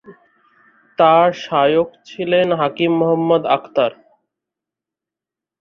তার শায়খ ছিলেন হাকিম মুহাম্মদ আখতার।